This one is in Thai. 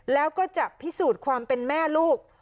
แล้วก็จะพิสูจน์ความเป็นแม่ลูก